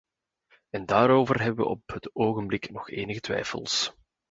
En daarover hebben wij op het ogenblik nog enige twijfels.